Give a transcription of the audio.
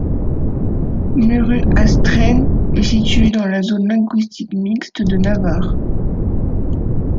Muru-Astráin est situé dans la zone linguistique mixte de Navarre.